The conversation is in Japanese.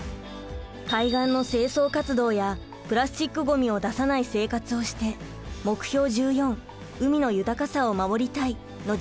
海岸の清掃活動やプラスチックゴミを出さない生活をして目標１４「海の豊かさを守りたい」の実現を目指します。